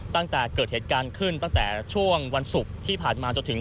ตั้งแต่เกิดเหตุการณ์ขึ้นตั้งแต่ช่วงวันศุกร์ที่ผ่านมาจนถึง